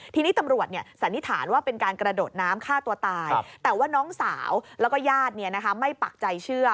ทีนี้ตำรวจสันนิษฐานว่าเป็นการกระโดดน้ำฆ่าตัวตายแต่ว่าน้องสาวแล้วก็ญาติไม่ปักใจเชื่อ